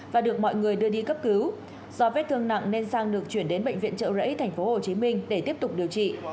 và được mọi người đưa đi cấp cứu do vết thương nặng nên sang được chuyển đến bệnh viện trợ rẫy tp hcm để tiếp tục điều trị